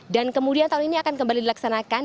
dan kemudian tahun ini akan kembali dilaksanakan